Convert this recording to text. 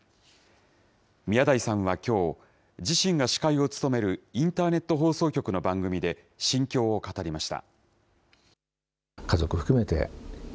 宮台さんはきょう、自身が司会を務めるインターネット放送局の番組で、心境を語りました。